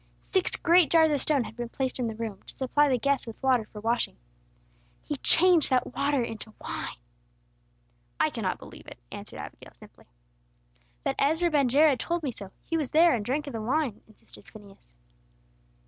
Six great jars of stone had been placed in the room, to supply the guests with water for washing. He changed that water into wine!" "I cannot believe it!" answered Abigail, simply. "But Ezra ben Jared told me so. He was there, and drank of the wine," insisted Phineas.